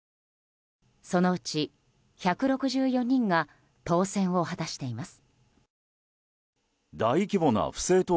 そのうち１６４人が当選を果たしています。